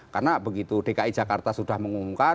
karena begitu dki jakarta sudah mengumumkan